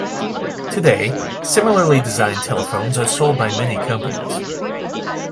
Today, similarly designed telephones are sold by many companies.